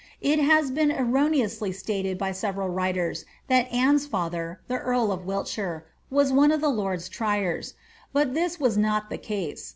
It Has been erroneously stated by several writers that Anne's father, the earl f^f Wiltshire, was one of the lords triers," but this was not the case.